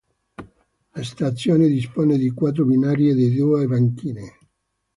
La stazione dispone di quattro binari e di due banchine.